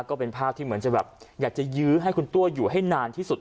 ก็เป็นภาพที่เหมือนจะแบบอยากจะยื้อให้คุณตัวอยู่ให้นานที่สุด